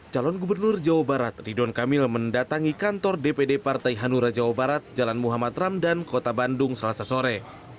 calon gubernur jawa barat ridwan kamil mendatangi kantor dpd partai hanura jawa barat jalan muhammad ramdan kota bandung selasa sore